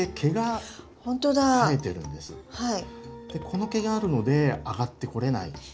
この毛があるので上がってこれないんです。